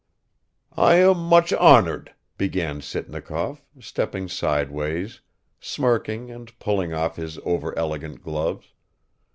"I am much honored," began Sitnikov, stepping sideways, smirking and pulling off his overelegant gloves.